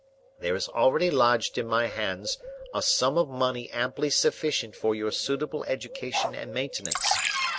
There is already lodged in my hands a sum of money amply sufficient for your suitable education and maintenance.